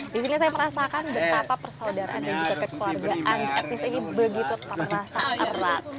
di sini saya merasakan betapa persaudaraan dan juga kekeluargaan etnis ini begitu terasa erat